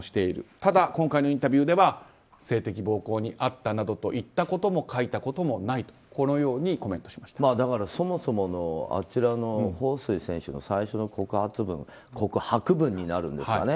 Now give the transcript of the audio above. ただ、今回のインタビューでは性的暴行に遭ったなどと言ったことも書いたこともないとそもそものホウ・スイ選手の最初の告白文になるんですかね。